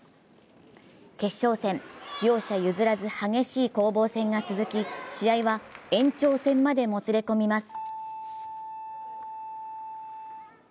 決勝戦、両者譲らず激しい攻防戦が続き、試合は延長戦までもつれ込みます。